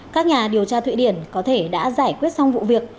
các nhà điều tra thụy điển có thể đã giải quyết xong vụ việc